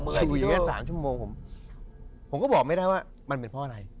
ถูดอยู่๓ชั่วโมงข้างหลังขนาดนั้นผมผมก็ไม่ได้บอกว่ามันเป็นเพราะอะไร